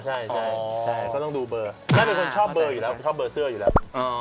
ใช่ก็ต้องดูเบอร์เดร่าเป็นคนชอบเบอร์เสื้ออยู่แล้ว